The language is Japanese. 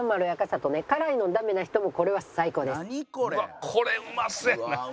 うわっこれうまそうやな。